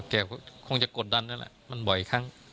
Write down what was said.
คงจะกดดันนั่นแหละมันบ่อยครั้ง